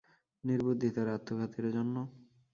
নির্বুদ্ধিতার আত্মঘাতের জন্যে?